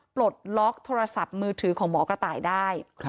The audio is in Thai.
ปลดล็อกโทรศัพท์มือถือของหมอกระต่ายได้